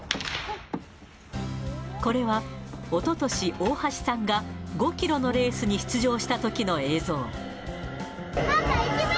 これはおととし、大橋さんが５キロのレースに出場したときの映像。